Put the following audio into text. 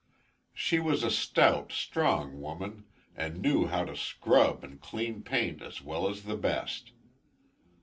She was a stout, strong woman, and knew how to scrub and clean paint as well as the best.